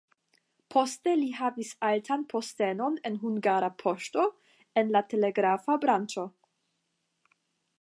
Poste li havis altan postenon en Hungara Poŝto en la telegrafa branĉo.